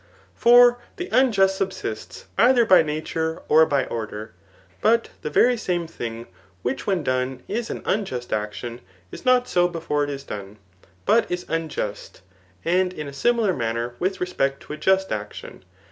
' For the unjust subsists dther by nature or by order. But the very same thii^ which when done is an unjust action, is not so before it is done, but is unjust } and in a siniikr manner with respect to a just action.